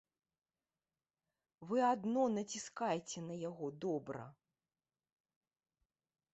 Вы адно націскайце на яго добра.